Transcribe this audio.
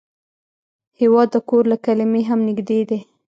هېواد د کور له کلمې هم نږدې دی.